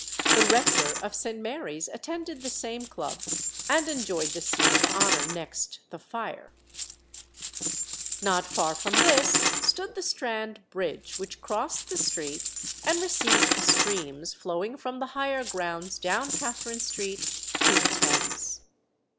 The rector of St. Mary's attended the same club, and enjoyed the seat of honour next the fire. [Illustration: THE OLD ROMAN BATH, STRAND.] Not far from this stood the Strand Bridge, which crossed the street, and received the streams flowing from the higher grounds down Catharine Street to the Thames.